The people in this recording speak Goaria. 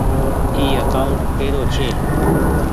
اي اڪآونٽ ڪي رو ڇي۔